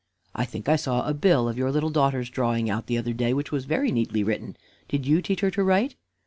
"I think I saw a bill of your little daughter's drawing out the other day, which was very neatly written. Did you teach her to write?"